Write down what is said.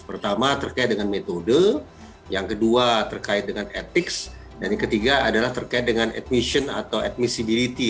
pertama terkait dengan metode yang kedua terkait dengan etik dan yang ketiga adalah terkait dengan admission atau admissibility